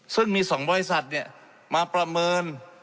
ซึ่งมีสองบริษัทเนี่ยมาประเมิน